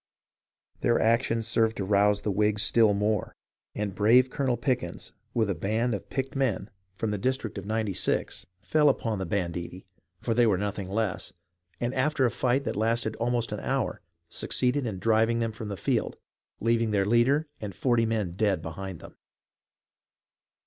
Their actions served to rouse the Whigs still more, and brave Colonel Pickens with a band of picked men from THE STRUGGLE IN THE SOUTH 32 1 the district of Ninety Six fell upon the banditti, for they were nothing less, and after a fight that lasted almost an hour, succeeded in driving them from the field, leaving their leader and forty men dead behind them.